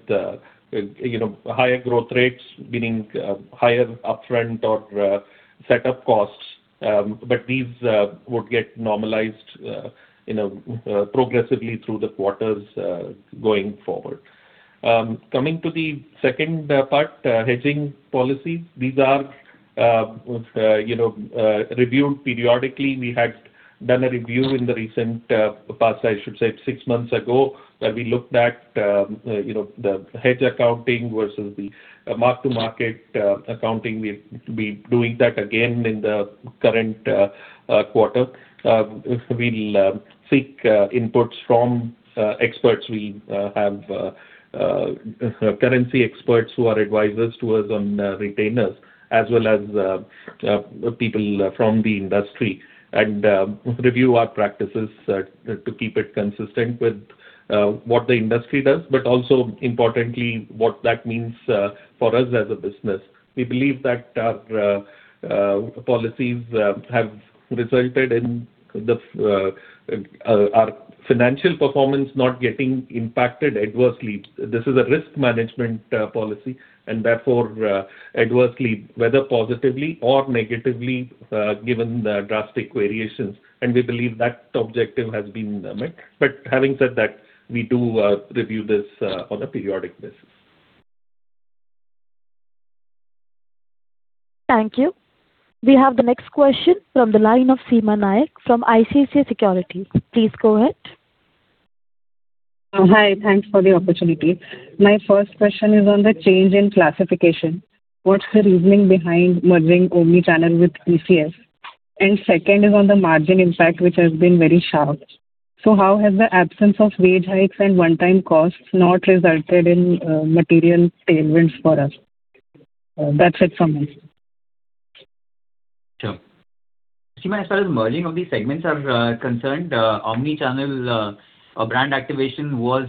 you know, higher growth rates, meaning higher upfront or setup costs. But these would get normalized, you know, progressively through the quarters going forward. Coming to the second part, hedging policy, these are, you know, reviewed periodically. We had done a review in the recent past, I should say, six months ago, where we looked at, you know, the hedge accounting versus the mark-to-market accounting. We'll be doing that again in the current quarter. We'll seek inputs from experts. We have currency experts who are advisors to us on retainers, as well as people from the industry, and review our practices to keep it consistent with what the industry does, but also importantly, what that means for us as a business. We believe that policies have resulted in our financial performance not getting impacted adversely. This is a risk management policy, and therefore, adversely, whether positively or negatively, given the drastic variations, and we believe that objective has been met. But having said that, we do review this on a periodic basis. Thank you. We have the next question from the line of Seema Nayak from ICICI Securities. Please go ahead. Hi, thanks for the opportunity. My first question is on the change in classification. What's the reasoning behind merging omnichannel with ECS? And second is on the margin impact, which has been very sharp. So how has the absence of wage hikes and one-time costs not resulted in material tailwinds for us? That's it from me. Sure. Seema, as far as merging of these segments are concerned, omnichannel or Brand Activation was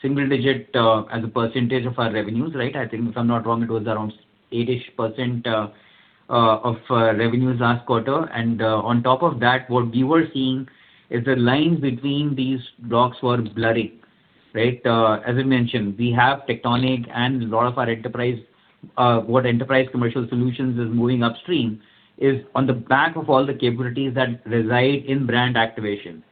single digit as a percentage of our revenues, right? I think, if I'm not wrong, it was around 8-ish% of revenues last quarter. On top of that, what we were seeing is the lines between these blocks were blurring, right? As I mentioned, we have Tectonic and a lot of our Enterprise Commercial Solutions is moving upstream, is on the back of all the capabilities that reside in Brand Activation,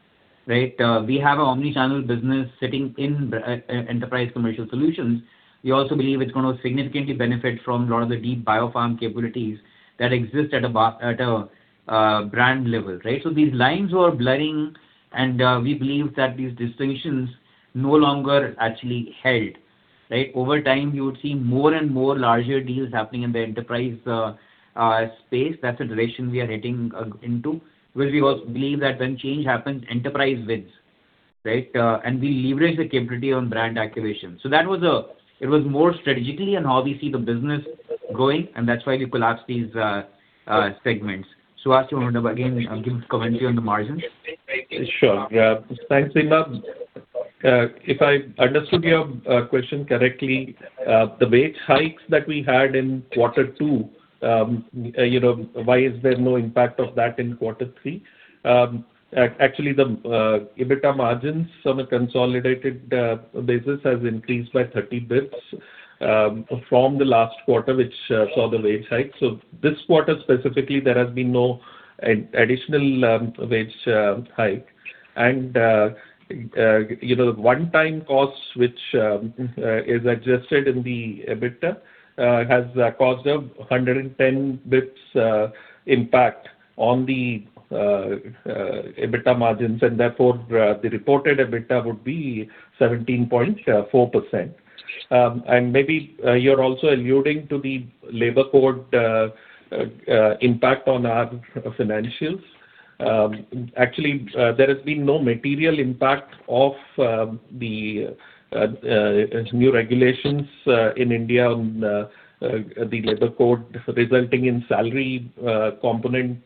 right? We have an omnichannel business sitting in Enterprise Commercial Solutions. We also believe it's going to significantly benefit from a lot of the deep BioPharm capabilities that exist at a brand level, right? So these lines were blurring, and we believe that these distinctions no longer actually held, right? Over time, you would see more and more larger deals happening in the enterprise space. That's the direction we are heading into, where we also believe that when change happens, enterprise wins, right? And we leverage the capability on Brand Activation. So that was, it was more strategically on how we see the business going, and that's why we collapsed these segments. Suhas, you want to again give commentary on the margins? Sure. Yeah. Thanks, Seema. If I understood your question correctly, the wage hikes that we had in quarter two, you know, why is there no impact of that in quarter three? Actually, the EBITDA margins on a consolidated basis has increased by 30 basis points from the last quarter, which saw the wage hike. So this quarter, specifically, there has been no additional wage hike. And, you know, the one-time costs which is adjusted in the EBITDA has a cost of 110 basis points impact on the EBITDA margins, and therefore, the reported EBITDA would be 17.4%. And maybe you're also alluding to the Labour Code impact on our financials. Actually, there has been no material impact of the new regulations in India on the Labour Code, resulting in salary component,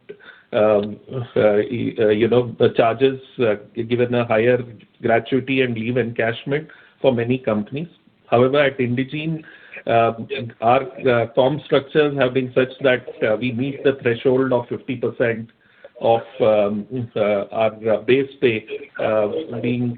you know, charges given a higher gratuity and leave encashment for many companies. However, at Indegene, our comp structures have been such that we meet the threshold of 50% of our base pay being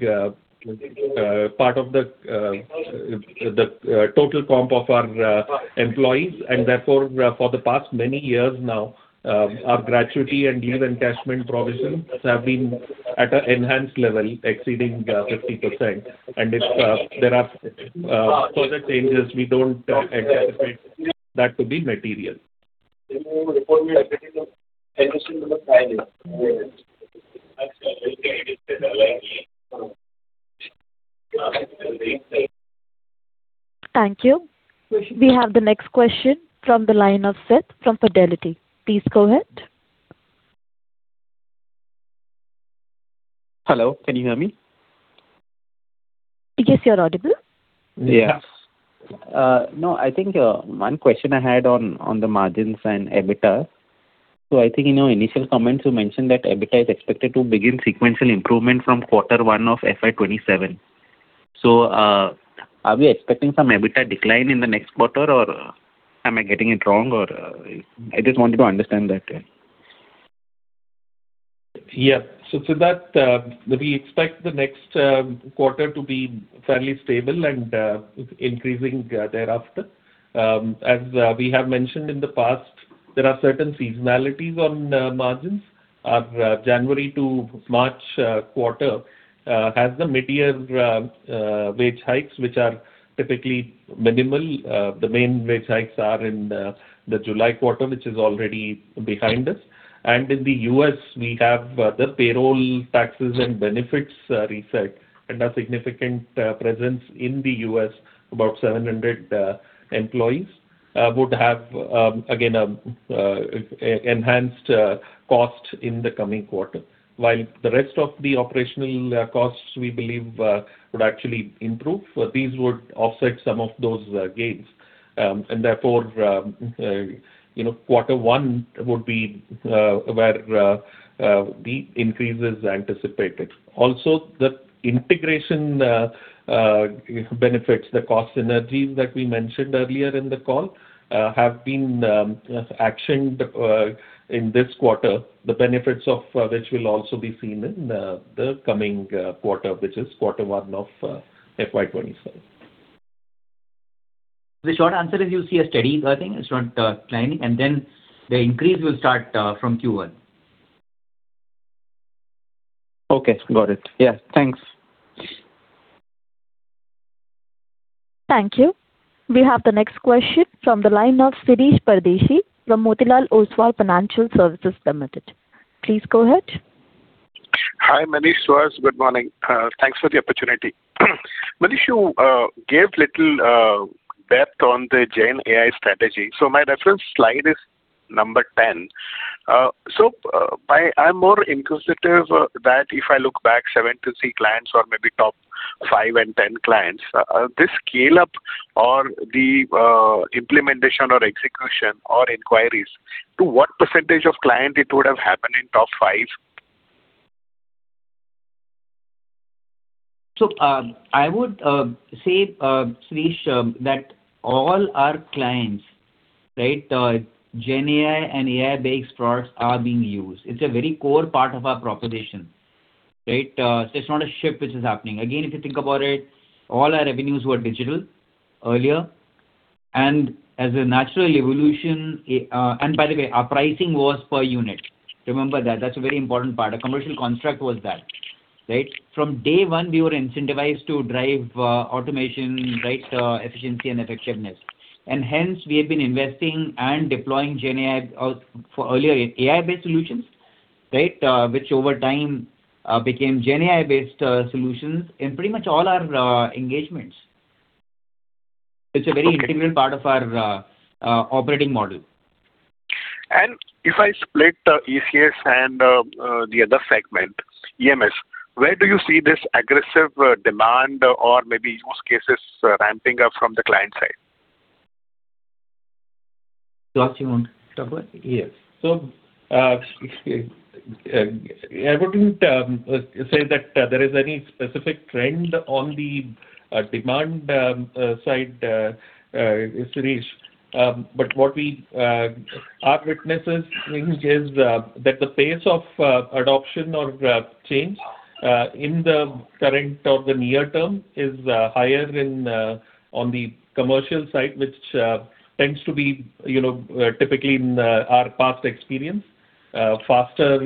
part of the total comp of our employees. Therefore, for the past many years now, our gratuity and leave encashment provisions have been at an enhanced level, exceeding 50%. If there are further changes, we don't anticipate that to be material. Thank you. We have the next question from the line of [Seth] from Fidelity. Please go ahead. Hello, can you hear me? Yes, you're audible. Yeah. No, I think one question I had on the margins and EBITDA. So I think in your initial comments, you mentioned that EBITDA is expected to begin sequential improvement from quarter one of FY 2027. So, are we expecting some EBITDA decline in the next quarter, or am I getting it wrong, or... I just wanted to understand that. Yeah. So Sidharth, we expect the next quarter to be fairly stable and increasing thereafter. As we have mentioned in the past, there are certain seasonalities on margins. Our January to March quarter has the mid-year wage hikes, which are typically minimal. The main wage hikes are in the July quarter, which is already behind us. And in the U.S., we have the payroll taxes and benefits reset. And a significant presence in the U.S., about 700 employees would have again enhanced cost in the coming quarter. While the rest of the operational costs, we believe, would actually improve, these would offset some of those gains. And therefore, you know, quarter one would be where the increase is anticipated. Also, the integration benefits, the cost synergies that we mentioned earlier in the call, have been actioned in this quarter. The benefits of which will also be seen in the coming quarter, which is quarter one of FY 2027. The short answer is you see a steady earning. It's not declining, and then the increase will start from Q1. Okay, got it. Yeah, thanks. Thank you. We have the next question from the line of Shirish Pardeshi from Motilal Oswal Financial Services Limited. Please go ahead. Hi, Manish, Suhas. Good morning. Thanks for the opportunity. Manish, you, gave little, depth on the GenAI strategy. So my reference slide is number 10. So, I, I'm more inquisitive, that if I look back seven to three clients or maybe top five and 10 clients, this scale-up or the, implementation or execution or inquiries, to what percentage of client it would have happened in top five? So, I would say, Shirish, that all our clients, right, GenAI and AI-based products are being used. It's a very core part of our proposition, right? It's not a shift which is happening. Again, if you think about it, all our revenues were digital earlier, and as a natural evolution... And by the way, our pricing was per unit. Remember that, that's a very important part. Our commercial construct was that, right? From day one, we were incentivized to drive, automation, right, efficiency and effectiveness. And hence, we have been investing and deploying GenAI, for earlier AI-based solutions, right? Which over time, became GenAI-based, solutions in pretty much all our, engagements. It's a very integral part of our, operating model. If I split the ECS and the other segment, EMS, where do you see this aggressive demand or maybe use cases ramping up from the client side? Suhas, you want to talk about it? Yes. So, I wouldn't say that there is any specific trend on the demand side, Shirish. But what we are witnessing is that the pace of adoption or change in the current or the near term is higher than on the commercial side, which tends to be, you know, typically in our past experience, faster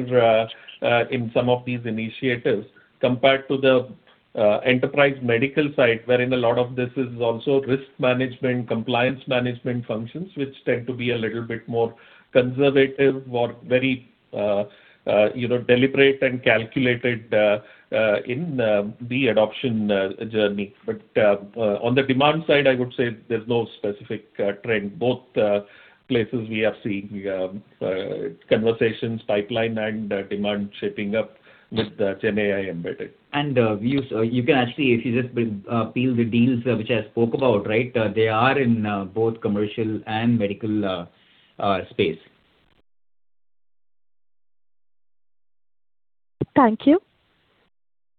in some of these initiatives. Compared to the enterprise medical side, wherein a lot of this is also risk management, compliance management functions, which tend to be a little bit more conservative or very, you know, deliberate and calculated in the adoption journey. But on the demand side, I would say there's no specific trend. Both places we are seeing conversations, pipeline and demand shaping up with the GenAI embedded. You can actually, if you just peel the deals which I spoke about, right? They are in both commercial and medical space. Thank you.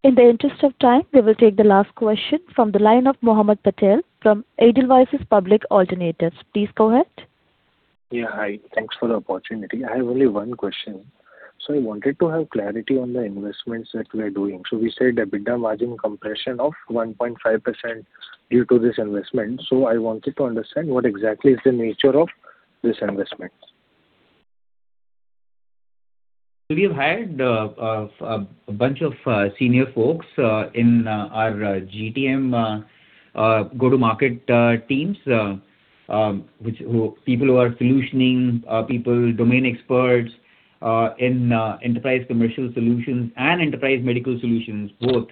In the interest of time, we will take the last question from the line of Mohammed Patel from Edelweiss Public Alternatives. Please go ahead. Yeah, hi. Thanks for the opportunity. I have only one question. I wanted to have clarity on the investments that we are doing. We said EBITDA margin compression of 1.5% due to this investment, so I wanted to understand what exactly is the nature of this investment? So we have hired a bunch of senior folks in our GTM go-to-market teams, which people who are solutioning people domain experts in Enterprise Commercial Solutions and Enterprise Medical Solutions both.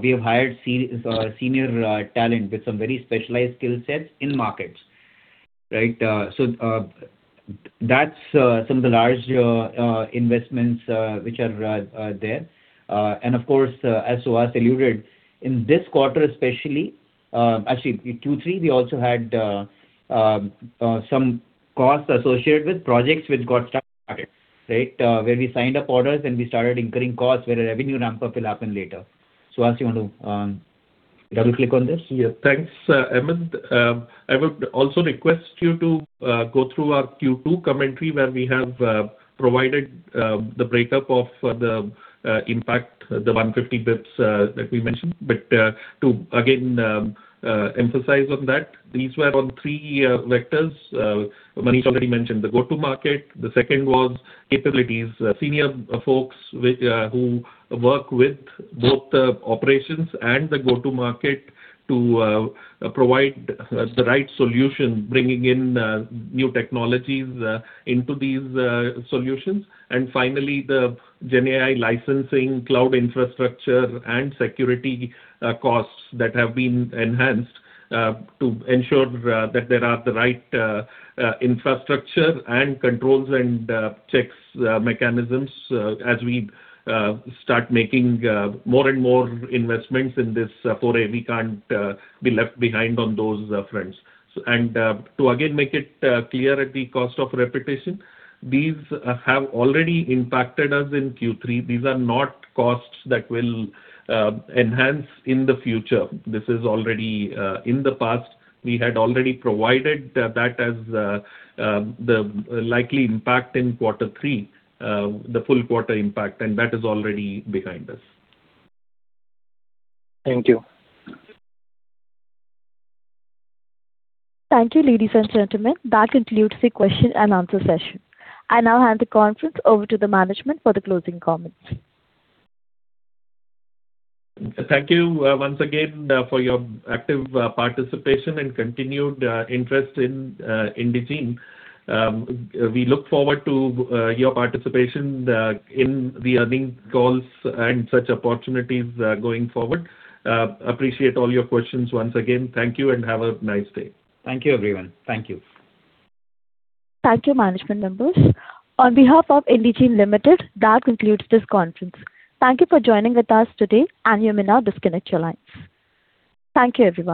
We have hired senior talent with some very specialized skill sets in markets, right? So that's some of the large investments which are there. And of course, as Suhas alluded, in this quarter especially, actually in Q3, we also had some costs associated with projects which got started, right? Where we signed up orders and we started incurring costs, where the revenue ramp-up will happen later. Suhas, you want to double-click on this? Yeah. Thanks, Mohammed. I would also request you to go through our Q2 commentary, where we have provided the breakup of the impact, the 150 basis points that we mentioned. But to again emphasize on that, these were on three vectors. Manish already mentioned the go-to-market. The second was capabilities. Senior folks who work with both the operations and the go-to-market to provide the right solution, bringing in new technologies into these solutions. And finally, the GenAI licensing, cloud infrastructure, and security costs that have been enhanced to ensure that there are the right infrastructure and controls and checks mechanisms. As we start making more and more investments in this foray, we can't be left behind on those fronts. So, and, to again make it clear at the cost of repetition, these have already impacted us in Q3. These are not costs that will enhance in the future. This is already. In the past, we had already provided that as the likely impact in quarter three, the full quarter impact, and that is already behind us. Thank you. Thank you, ladies and gentlemen. That concludes the question-and-answer session. I now hand the conference over to the management for the closing comments. Thank you, once again, for your active participation and continued interest in Indegene. We look forward to your participation in the earnings calls and such opportunities going forward. Appreciate all your questions. Once again, thank you and have a nice day. Thank you, everyone. Thank you. Thank you, management members. On behalf of Indegene Limited, that concludes this conference. Thank you for joining with us today, and you may now disconnect your lines. Thank you, everyone.